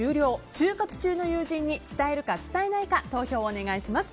就活中の友人に伝えるか伝えないか投票をお願いします。